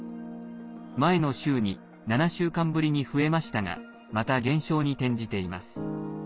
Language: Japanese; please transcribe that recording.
前の週に７週間ぶりに増えましたがまた減少に転じています。